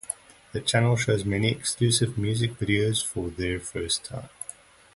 The channel shows many exclusive music videos for their first time.